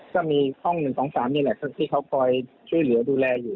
ก็มีห้อง๑๒๓นี่แหละที่เขาคอยช่วยเหลือดูแลอยู่